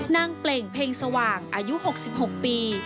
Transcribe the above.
เปล่งเพ็งสว่างอายุ๖๖ปี